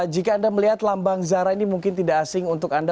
jika anda melihat lambang zara ini mungkin tidak asing untuk anda